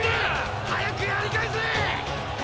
早くやり返せー！